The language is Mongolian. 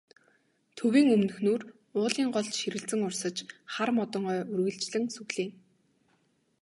Төвийн өмнөхнүүр уулын гол жирэлзэн урсаж, хар модон ой үргэлжлэн сүглийнэ.